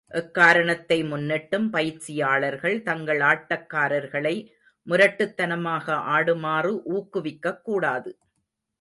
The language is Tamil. எக்காரணத்தை முன்னிட்டும், பயிற்சியாளர்கள் தங்கள் ஆட்டக்காரர்களை முரட்டுத்தனமாக ஆடுமாறு ஊக்குவிக்கக்கூடாது.